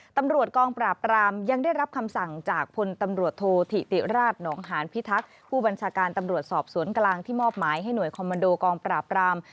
ตำรวจกองปราบรามยังได้รับคำสั่งจากพลตำรวจโทษธิติราชหนองหานพิทักษ์ผู้บัญชาการตำรวจสอบสวนกลางที่มอบหมายให้หน่วยคอมมันโดกองปราบราม